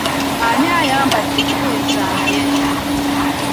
Ani ayambadde engoye zange?